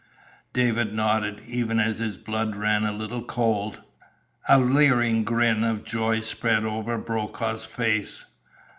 David nodded, even as his blood ran a little cold. A leering grin of joy spread over Brokaw's face.